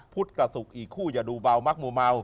พุทธกับศุกร์อีกคู่อย่าดูเบามักมูเมา